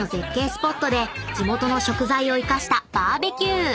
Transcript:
スポットで地元の食材を生かしたバーベキュー！］